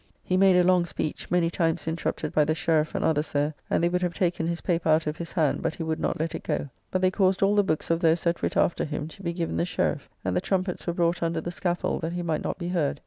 He made a long speech, many times interrupted by the Sheriff and others there; and they would have taken his paper out of his hand, but he would not let it go. But they caused all the books of those that writ after him to be given the Sheriff; and the trumpets were brought under the scaffold that he might not be heard.